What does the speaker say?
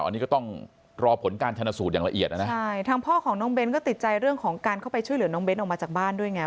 อันนี้ก็ต้องรอผลการชนสูตรอย่างละเอียดนะนะใช่ทางพ่อของน้องเบ้นก็ติดใจเรื่องของการเข้าไปช่วยเหลือน้องเน้นออกมาจากบ้านด้วยไง